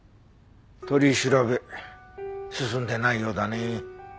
取り調べ進んでないようだね。